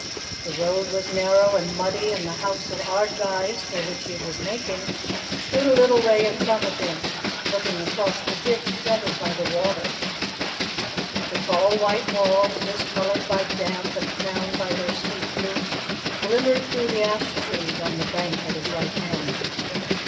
The road was narrow and muddy, and the house of Ardguys, for which he was making, stood a little way in front of him, looking across the dip threaded by the water. The tall white walls, discoloured by damp and crowned by their steep roof, glimmered through the ash trees on the bank at his right hand.